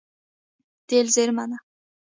تېل زیرمه ده.